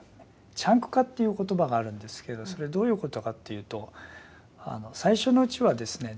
チャンク化という言葉があるんですけどそれどういうことかっていうと最初のうちはですね